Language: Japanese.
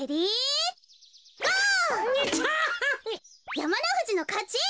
やまのふじのかち！